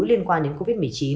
liên quan đến covid một mươi chín